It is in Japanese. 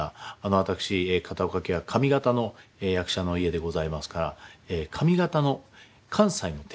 私片岡家は上方の役者の家でございますから上方の関西の手なんです。